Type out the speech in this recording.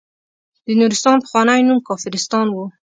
د نورستان پخوانی نوم کافرستان وه.